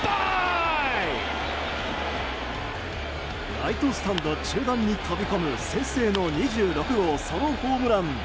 ライトスタンド中段に飛び込む先制の２６号ソロホームラン。